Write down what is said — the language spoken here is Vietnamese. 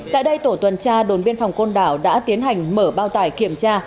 tại đây tổ tuần tra đồn biên phòng côn đảo đã tiến hành mở bao tải kiểm tra